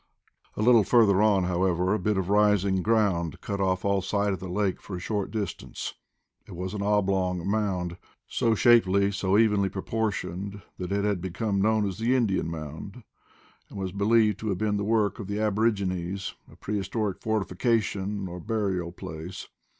A little further on, however, a bit of rising ground cut off all sight of the lake for a short distance. It was an oblong mound, so shapely, so evenly proportioned that it had became known as the Indian Mound, and was believed to have been the work of the aborigines, a prehistoric fortification, or burial place.